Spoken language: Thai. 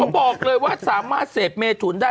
บอกเลยว่าสามารถเสพเมถุนได้